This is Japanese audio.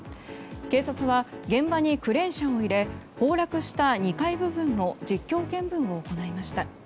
警察は現場にクレーン車を入れ崩落した２階部分の実況見分を行いました。